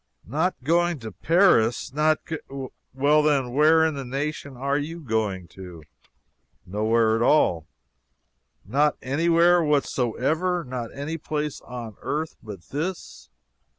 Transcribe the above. "Not going to Paris! Not g well, then, where in the nation are you going to?" "Nowhere at all." "Not anywhere whatsoever? not any place on earth but this?"